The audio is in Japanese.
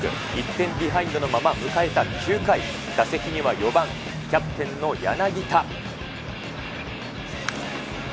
１点ビハインドのまま、迎えた９回、打席には４番、キャプテンの柳田。